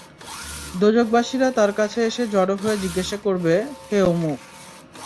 দোযখবাসীরা তার কাছে এসে জড়ো হয়ে জিজ্ঞেস করবে, হে অমুক!